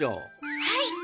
はい。